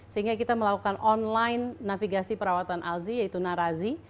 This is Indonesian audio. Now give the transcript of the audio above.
sehingga kita melakukan online navigasi perawatan alsi yaitu narazi